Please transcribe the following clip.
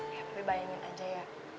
tapi bayangin aja ya